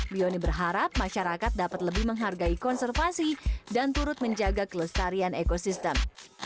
bioni berharap masyarakat dapat lebih menghargai konservasi dan turut menjaga kelestarian ekosistem